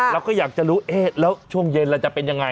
เราก็อยากจะรู้เอ๊ะแล้วช่วงเย็นเราจะเป็นยังไง